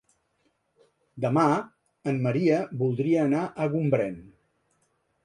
Demà en Maria voldria anar a Gombrèn.